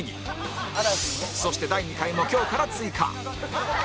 そして第２回も今日から追加